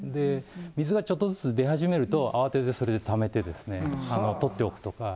水がちょっとずつ出始めると、慌ててそれでためて、取っておくとか。